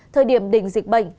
thời điểm đỉnh dịch bệnh